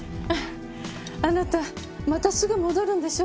あなたまたすぐ戻るんでしょ？